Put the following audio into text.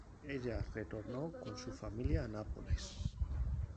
Ella retornó con su familia a Nápoles.